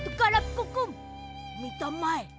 みたまえ。